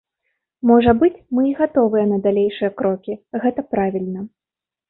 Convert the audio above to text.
Можа быць, мы і гатовыя на далейшыя крокі, гэта правільна.